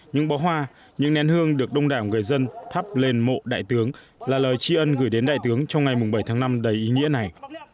những bó hoa những nén hương được đông đảo người dân thắp lên mộ đại tướng là lời tri ân gửi đến đại tướng trong ngày bảy tháng năm đầy ý nghĩa này